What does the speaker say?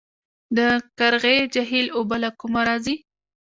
د قرغې جهیل اوبه له کومه راځي؟